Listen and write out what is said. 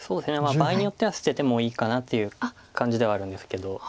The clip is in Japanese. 場合によっては捨ててもいいかなという感じではあるんですけど。